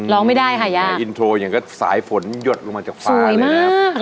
ร้องไม่ได้ค่ะยากระทรวงเหนี่ยสายฝนหยดลงมาจากฟ้าเลยนะครับสวยมาก